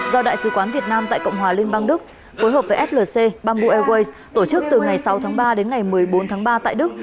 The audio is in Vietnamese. do đại sứ quán việt nam tại cộng hòa liên bang đức phối hợp với flc bamboo airways tổ chức từ ngày sáu tháng ba đến ngày một mươi bốn tháng ba tại đức